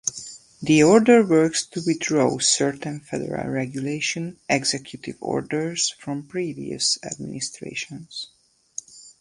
The order works to withdraw certain federal regulation executive orders from previous administrations.